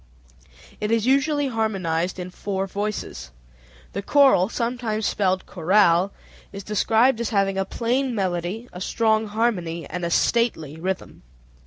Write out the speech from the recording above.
It is usually harmonized in four voices. The choral (sometimes spelled chorale) is described as having "a plain melody, a strong harmony, and a stately rhythm."